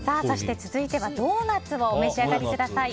続いてはドーナツをお召し上がりください。